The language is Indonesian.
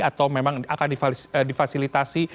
atau memang akan difasilitasi